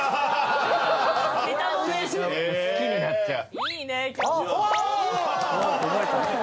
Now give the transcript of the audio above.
好きになっちゃう。